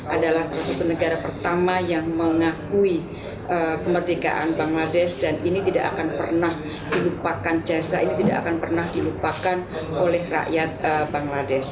adalah satu negara pertama yang mengakui kemerdekaan bangladesh dan ini tidak akan pernah dilupakan oleh rakyat bangladesh